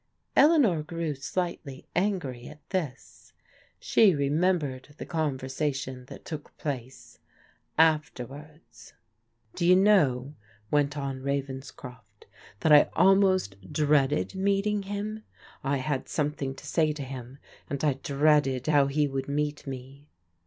Eleanor grew slightly angry at this. She remembered the conversation that took place, afterwards. " Do you know," went on Ravenscroft, " that I almost dreaded meeting him. I had something to say to him, and I dreaded how he would meet me."